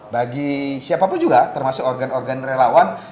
bagi siapapun juga termasuk organ organ relawan